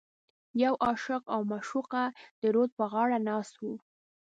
یو عاشق او معشوقه د رود په غاړه ناست و.